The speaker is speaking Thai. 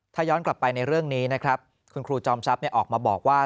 ถ้าย้อนกลับไปในเรื่องนี้นะครับคุณครูจอมทรัพย์ออกมาบอกว่า